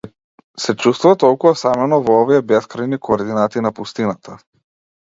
Се чувствува толку осамено во овие бескрајни координати на пустината.